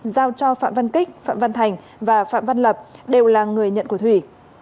giao cho phạm văn kích phạm văn thành và phạm văn lập đều là người nhận của thủy